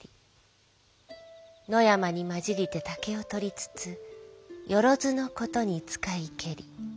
野山にまじりて竹を取りつつよろづのことに使ひけり。